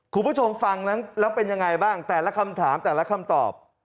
คุณผู้ชมฟังแล้วเป็นยังไงบ้างแต่ละคำถามแต่ละคำตอบ